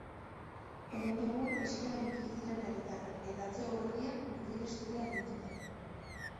Herenegun eskean ibili ziren herritarrak eta atzo eguerdian gurdi-desfilea egin zuten.